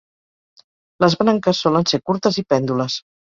Les branques solen ser curtes i pèndules.